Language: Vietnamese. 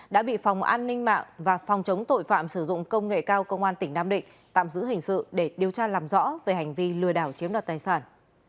đã bị phòng an ninh mạng và phòng chống tội phạm sử dụng công nghệ cao công an tỉnh nam định tạm giữ hình sự để điều tra làm rõ về hành vi lừa đảo chiếm đoạt tài sản